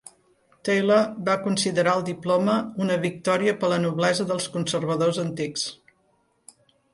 Taylor va considerar el diploma una victòria per a la noblesa dels conservadors antics.